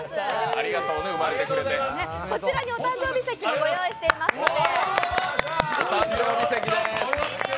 こちらにお誕生日席もご用意していますので。